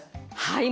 はい！